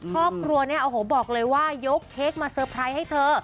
พ่อครัวบอกเลยว่ายกเค้กมาเซอร์ไพรส์ให้เธอ